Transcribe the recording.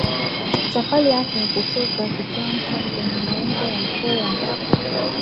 safari yake kutoka kichwani hadi kwenye maungo ya mkewe ambapo